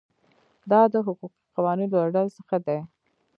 دا د حقوقي قوانینو له ډلې څخه دي.